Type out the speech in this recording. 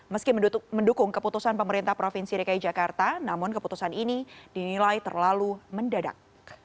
meski mendukung keputusan pemerintah provinsi dki jakarta namun keputusan ini dinilai terlalu mendadak